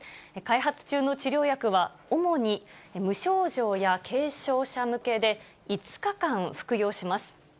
開発中の治療薬は、主に無症状や軽症者向けで、５日間服用します。